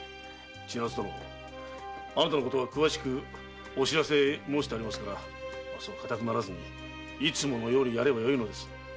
千奈津殿あなたのことは詳しくお知らせ申してありますからそう硬くならずにいつものようにやればよいのです。